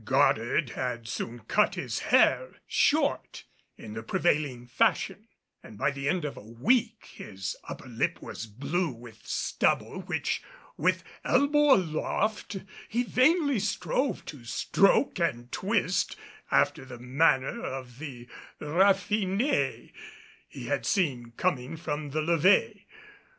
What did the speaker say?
Goddard had soon cut his hair short in the prevailing fashion, and by the end of a week his upper lip was blue with stubble which, with elbow aloft, he vainly strove to stroke and twist after the manner of the raffinés he had seen coming from the levee.